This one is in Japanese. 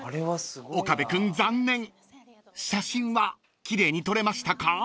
［岡部君残念写真は奇麗に撮れましたか？］